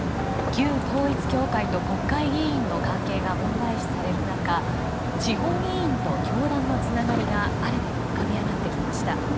旧統一教会と国会議員の関係が問題視される中地方議員と教団のつながりが新たに浮かび上がってきました。